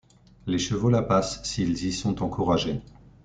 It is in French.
Les chevaux la passent s'ils y sont encouragés.